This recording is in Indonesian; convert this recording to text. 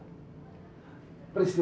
harapkan ke hati saya